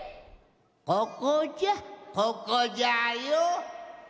ここじゃここじゃよ。